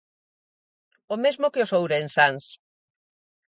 O mesmo que os ourensáns.